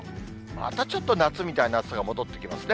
またちょっと夏みたいな暑さが戻ってきますね。